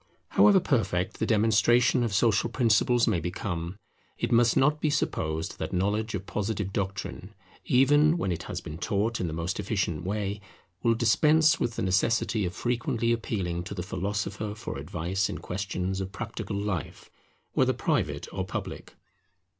However perfect the demonstration of social principles may become, it must not be supposed that knowledge of Positive doctrine, even when it has been taught in the most efficient way, will dispense with the necessity of frequently appealing to the philosopher for advice in questions of practical life, whether private or public.